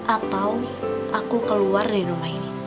atau aku keluar dari rumah ini